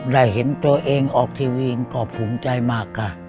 ได้เห็นตัวเองออกทีวีเองก็ภูมิใจมากค่ะ